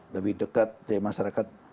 lebih dekat dari masyarakat